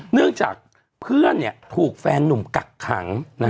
เนื่องจากเพื่อนถูกแฟนนุ่มกักขัง